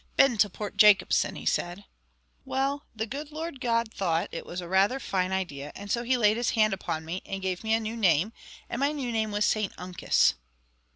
"Been to Port Jacobson," he said. "Well, the good Lord God thought that it was rather a fine idea; and so He laid His hand upon me and gave me a new name; and my new name was St Uncus."